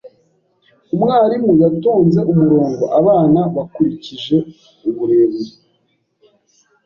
Umwarimu yatonze umurongo abana bakurikije uburebure.